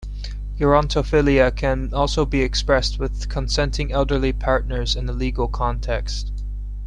Gerontophilia can also be expressed with consenting elderly partners in a legal context.